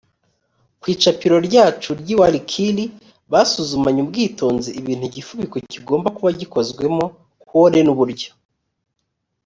ku icapiro ryacu ry i wallkill basuzumanye ubwitonzi ibintu igifubiko kigomba kuba gikozwemo kore n uburyo